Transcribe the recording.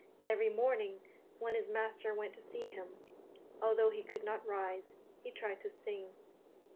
Every morning, when his master went to see him, although he could not rise, he tried to sing.